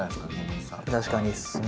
確かにですね。